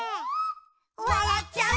「わらっちゃう」